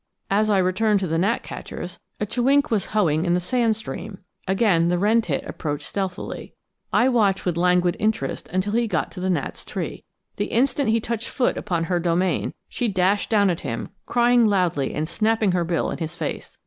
As I returned to the gnatcatchers, a chewink was hoeing in the sand stream. Again the wren tit approached stealthily. I watched with languid interest till he got to the gnat's tree. The instant he touched foot upon her domain, she dashed down at him, crying loudly and snapping her bill in his face.